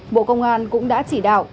bộ công an cũng đã chỉ đạo